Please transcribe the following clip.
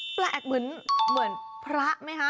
แปลกเหมือนพระไหมคะ